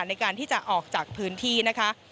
ในการที่จะออกจากพื้นที่นะคะ